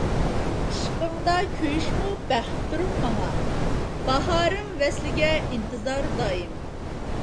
ئىشقىڭدا كۆيۈشمۇ بەختتۇر ماڭا، باھارىم ۋەسلىڭگە ئىنتىزار دائىم.